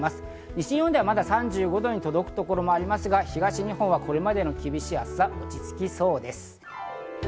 西日本ではまだ３５度に届く所がありますが、東日本をこれまでの厳しい暑さが落ち着きそうです。